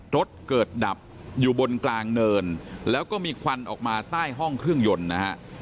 รถเกิดดับอยู่บนกลางเนินแล้วก็มีควันออกมาใต้ห้องเครื่องยนต์นะฮะ